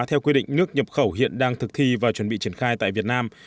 theo quy định nước nhập khẩu hiện đang thực thi và chuẩn bị triển khai tại việt nam